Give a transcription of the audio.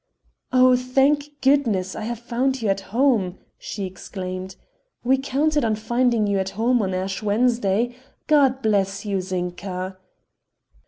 "Oh, thank goodness, I have found you at home!" she exclaimed. "We counted on finding you at home on Ash Wednesday. God bless you, Zinka!"